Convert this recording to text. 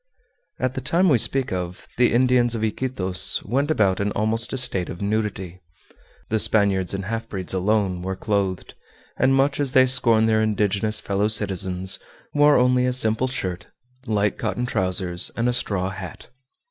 At the time we speak of the Indians of Iquitos went about in almost a state of nudity. The Spaniards and half breeds alone were clothed, and much as they scorned their indigenous fellow citizens, wore only a simple shirt, light cotton trousers, and a straw hat.